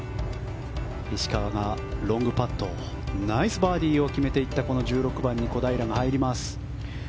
石川がロングパットをナイスバーディーを決めていった１６番に小平が入ります。